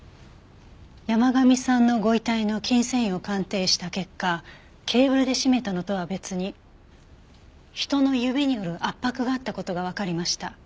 山神さんのご遺体の筋繊維を鑑定した結果ケーブルで絞めたのとは別に人の指による圧迫があった事がわかりました。